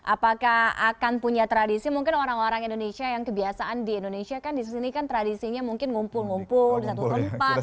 apakah akan punya tradisi mungkin orang orang indonesia yang kebiasaan di indonesia kan di sini kan tradisinya mungkin ngumpul ngumpul di satu tempat